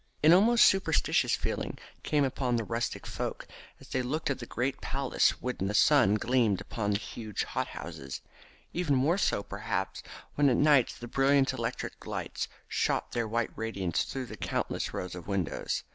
An almost superstitious feeling came upon the rustic folk as they looked at the great palace when the sun gleamed upon the huge hot houses, or even more so, perhaps, when at night the brilliant electric lights shot their white radiance through the countless rows of windows.